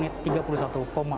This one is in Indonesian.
saya melakukan penutup pekerjaan